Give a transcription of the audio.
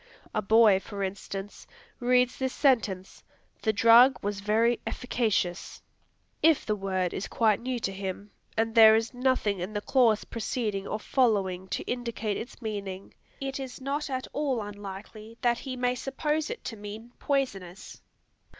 A boy, for instance, reads this sentence. "The drug was very efficacious." If the word is quite new to him, and there is nothing in the clause preceding or following to indicate its meaning, it is not at all unlikely that he may suppose it to mean "poisonous."